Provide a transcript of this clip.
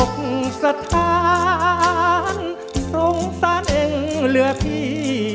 อบสะทานสงสารเองเหลือพี่